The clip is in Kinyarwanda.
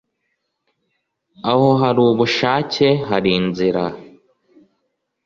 aho hari ubushake hari inzira